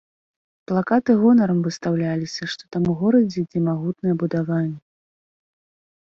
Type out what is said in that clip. Плакаты гонарам выстаўляліся, што там у горадзе ідзе магутнае будаванне.